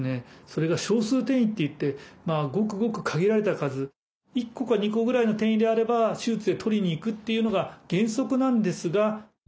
それが「少数転移」っていってごくごく限られた数１個か２個ぐらいの転移であれば手術でとりにいくっていうのが原則なんですが。